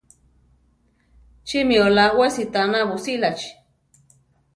Chí mi olá we sitána busílachi?